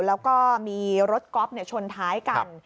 แล้วก็มีรถก๊อฟชนท้ายกัน